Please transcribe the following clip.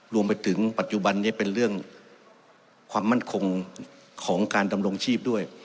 รวมไปถึงปัจจุบันนี้เป็นเรื่องความมั่นคงของการดำรงชีพด้วย